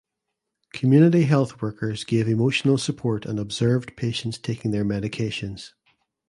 Community health workers gave emotional support and observed patients taking their medications.